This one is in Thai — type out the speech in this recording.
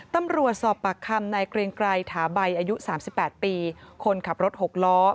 ตำรวจสอบปากคำนายเกรียงไกรถาใบอายุ๓๘ปีคนขับรถ๖ล้อ